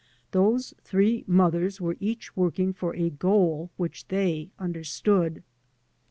IThose three mothers were each working for a goal which they understood.